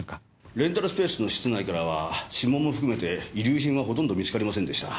レンタルスペースの室内からは指紋も含めて遺留品はほとんど見つかりませんでしたが。